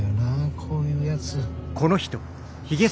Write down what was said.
こういうやつ。